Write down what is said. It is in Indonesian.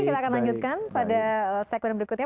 kita akan lanjutkan pada segmen berikutnya